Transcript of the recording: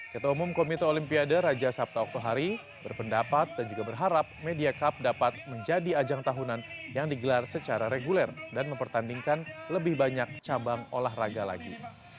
ketua umum komite olimpiade raja sabta oktohari berpendapat dan juga berharap media cup dapat menjadi ajang tahunan yang digelar secara reguler dan mempertandingkan lebih banyak cabang olahraga lagi